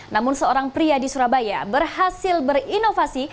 namun seorang pria di surabaya berhasil berinovasi